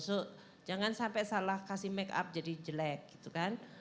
so jangan sampai salah kasih make up jadi jelek gitu kan